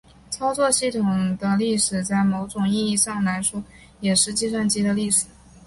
操作系统的历史在某种意义上来说也是计算机的历史。